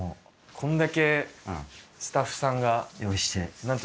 こんだけスタッフさんがなんと。